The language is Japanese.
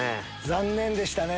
残念でしたね。